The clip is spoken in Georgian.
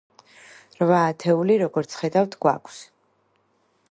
რვა ათეული, როგორც ხედავთ, გვაქვს.